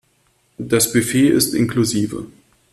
Das Buffet ist inklusive.